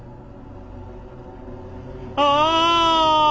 ああ！